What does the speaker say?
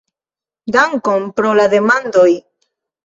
Dankon pro la demandoj!